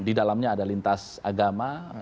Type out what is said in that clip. di dalamnya ada lintas agama